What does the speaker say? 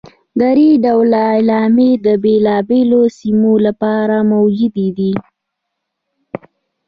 درې ډوله علامې د بېلابېلو سیمو لپاره موجودې دي.